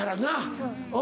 そう。